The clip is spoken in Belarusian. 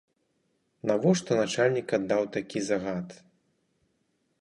Навошта начальнік аддаў такі загад?